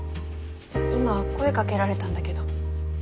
今声かけられたんだけど。